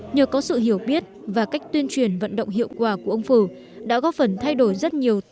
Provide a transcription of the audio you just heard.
nhờ có sự hiểu biết và cách tuyên truyền vận động hiệu quả của ông phử đã góp phần thay đổi rất nhiều